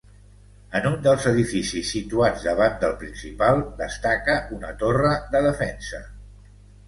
En un dels edificis situats davant del principal destaca una torre de defensa.